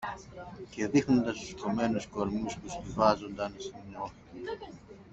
Και δείχνοντας τους κομμένους κορμούς που στοιβάζουνταν στην όχθη